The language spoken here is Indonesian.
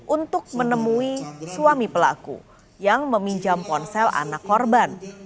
untuk menemui suami pelaku yang meminjam ponsel anak korban